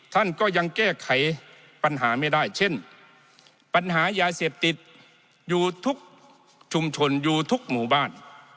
ท่านก็ยังแก้ไขปัญหาไม่ได้เช่นปัญหายาเสพติดอยู่ทุกชุมชนอยู่ทุกหมู่บ้าน